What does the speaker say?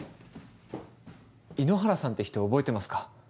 猪原さんって人覚えてますか？